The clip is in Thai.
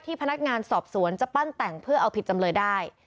พนักงานสอบสวนจะปั้นแต่งเพื่อเอาผิดจำเลยได้